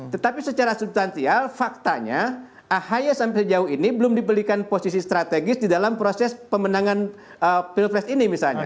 tetapi secara substansial faktanya ahi sampai sejauh ini belum dibelikan posisi strategis di dalam proses pemenangan pilpres ini misalnya